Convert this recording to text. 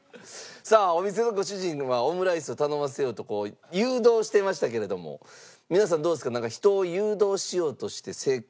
さあお店のご主人はオムライスを頼ませようと誘導してましたけれども皆さんどうですか？